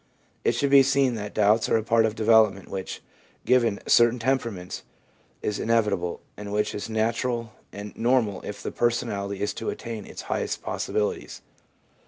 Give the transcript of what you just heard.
It should be seen that doubts are a part of a development which, given certain temperaments, is inevitable, and which is natural and normal if the per sonality is to attain its highest possibilities.